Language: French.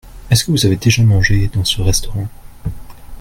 Est-ce que vous avez déjà mangé dans ce restaurant ?